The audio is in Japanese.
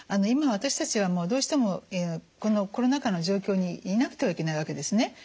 今私たちはどうしてもこのコロナ禍の状況にいなくてはいけないわけですね。